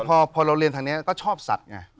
พอเราเรียนทางนี้ก็ชอบสัตว์ไง